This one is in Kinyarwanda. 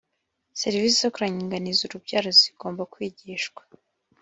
serivisi zo kuringaniza urubyaro zizgomba kwigishwa.